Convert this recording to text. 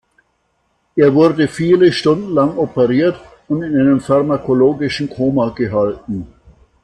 Er wurde viele Stunden lang operiert und in einem pharmakologischen Koma gehalten.